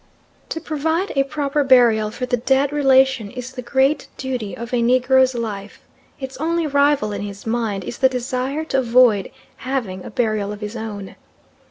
To provide a proper burial for the dead relation is the great duty of a negro's life, its only rival in his mind is the desire to avoid having a burial of his own.